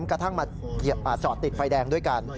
กระทั่งมาจอดติดไฟแดงด้วยกัน